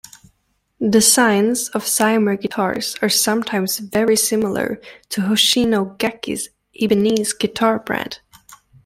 Designs of Cimar guitars are sometimes very similar to Hoshino Gakki's Ibanez guitar brand.